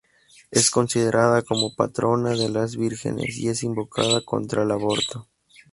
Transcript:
Es considerada como patrona de las vírgenes y es invocada contra el aborto.